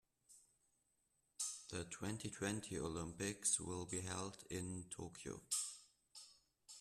The twenty-twenty Olympics will be held in Tokyo.